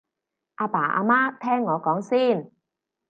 阿爸阿媽聽我講先